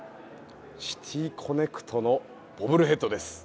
シティ・コネクトのボブルヘッドです。